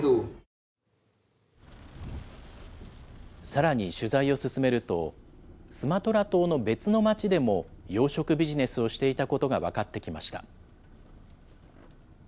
さらに取材を進めると、スマトラ島の別の町でも、養殖ビジネスをしていたことが分かってきました。